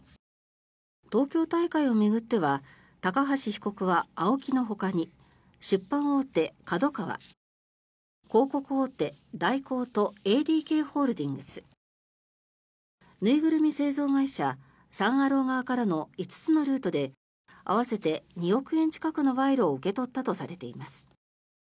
東京大会を巡っては高橋被告はＡＯＫＩのほかに出版大手、ＫＡＤＯＫＡＷＡ広告大手、大広とＡＤＫホールディングス縫いぐるみ製造会社サン・アロー側からの５つのルートで合わせて２億円近くの賄賂を受け取ったとされています。